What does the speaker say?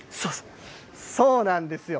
そうなんですよ。